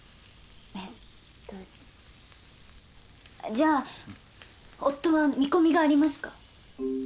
じゃあ夫は見込みがありますか？